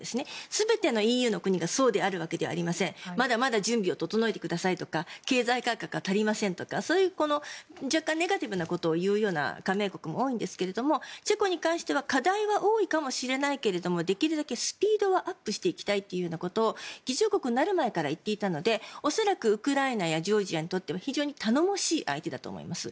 全てのＥＵの国がそうであるわけではありませんまだまだ準備を整えてくださいとか経済改革が足りませんとか若干ネガティブなことを言うような加盟国も多いんですがチェコに関しては課題は多いかもしれないけどできるだけスピードはアップしていきたいということを議長国になる前から言っていたので恐らくウクライナやジョージアにとっては非常に頼もしい相手だと思います。